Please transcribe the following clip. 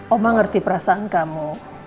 oma ngerti perasaan kamu